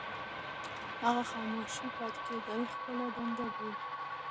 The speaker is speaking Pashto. هغه خاموشه پاتې کېدل خپله دنده بولي.